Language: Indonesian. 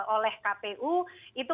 oleh kpu itu